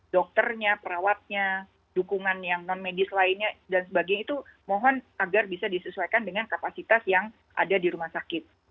dokternya perawatnya dukungan yang non medis lainnya dan sebagainya itu mohon agar bisa disesuaikan dengan kapasitas yang ada di rumah sakit